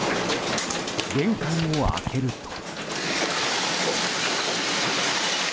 玄関を開けると。